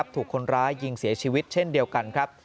ถูกคนร้ายยิงเสียชีวิตเช่นเดียวกันครับ